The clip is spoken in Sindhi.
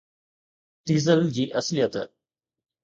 ڊيزل جي اصليت